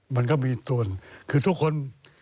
มันก็มีส่วนคือทุกคน